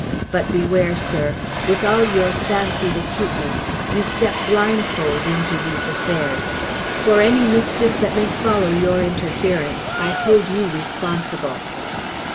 But, beware, sir! With all your fancied acuteness, you step blindfold into these affairs. For any mischief that may follow your interference, I hold you responsible!"